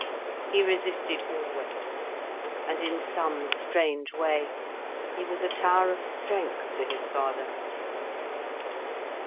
He resisted always. And in some strange way, he was a tower of strength to his father.